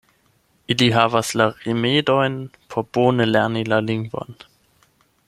Ili havas la rimedojn por bone lerni la lingvon.